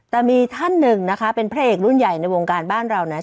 แต่มีท่านหนึ่งนะคะเป็นพระเอกรุ่นใหญ่ในวงการบ้านเรานะ